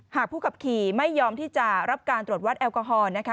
ผู้ขับขี่ไม่ยอมที่จะรับการตรวจวัดแอลกอฮอล์นะคะ